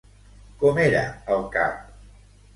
Com era el cap?